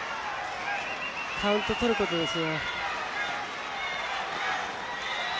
カウントを取ることですよ。